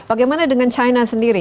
bagaimana dengan china sendiri